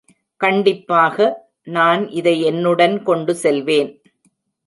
கண்டிப்பாக, நான் இதை என்னுடன் கொண்டுசெல்வேன்.